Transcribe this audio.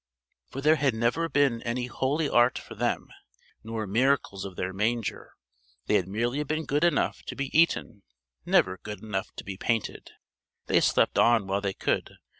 For there had never been any holy art for them: nor miracles of their manger: they had merely been good enough to be eaten, never good enough to be painted! They slept on while they could!